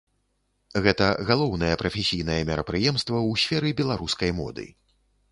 Гэта галоўнае прафесійнае мерапрыемства ў сферы беларускай моды.